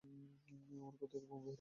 আমার ঘর থেকে বেরো!